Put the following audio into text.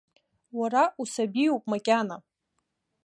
Уара усабиуп макьана.